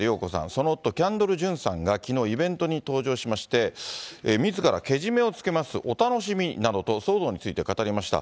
その夫、キャンドル・ジュンさんがきのう、イベントに登場しまして、みずからけじめをつけます、お楽しみになどと、騒動について語りました。